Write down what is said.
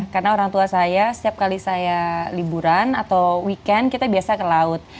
karena orang tua saya setiap kali saya liburan atau weekend kita biasa ke laut